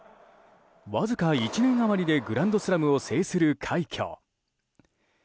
わずか１年余りでグランドスラムを制する快挙。